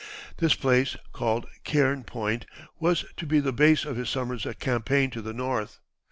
This place, called Cairn Point, was to be the base of his summer's campaign to the north.